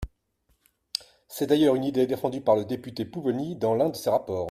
C’est d’ailleurs une idée défendue par le député Pupponi dans l’un de ses rapports.